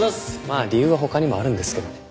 まあ理由は他にもあるんですけどね。